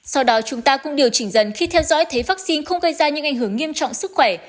sau đó chúng ta cũng điều chỉnh dần khi theo dõi thấy vaccine không gây ra những ảnh hưởng nghiêm trọng sức khỏe